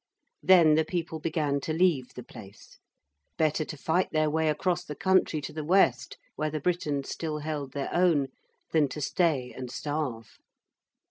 Then the people began to leave the place: better to fight their way across the country to the west where the Britons still held their own, than to stay and starve.